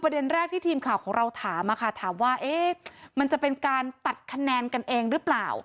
แรกที่ทีมข่าวของเราถามถามว่ามันจะเป็นการตัดคะแนนกันเองหรือเปล่า